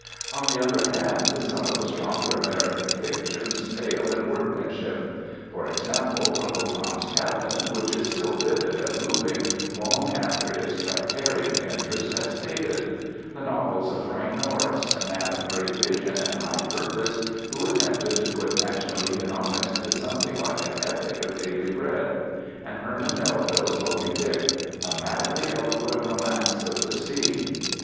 On the other hand, some of the stronger American fictions fail in workmanship; for example, "Uncle Tom's Cabin," which is still vivid and moving long after its tractarian interest has faded; the novels of Frank Norris, a man of great vision and high purpose, who attempted to put national economics into something like an epic of daily bread; and Herman Melville's "Moby Dick," a madly eloquent romance of the sea.